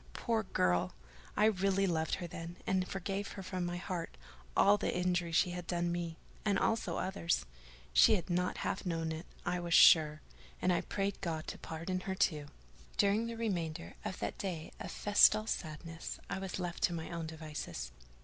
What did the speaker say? Poor girl! I really loved her then; and forgave her from my heart all the injury she had done me—and others also: she had not half known it, I was sure; and I prayed God to pardon her too. During the remainder of that day of festal sadness, I was left to my own devices.